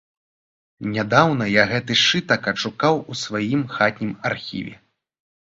Нядаўна я гэты сшытак адшукаў у сваім хатнім архіве.